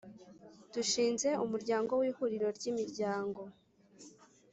dushinze umuryango w ihuriro ry imiryango